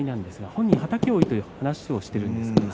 本人、はたきが多いという話をしていました。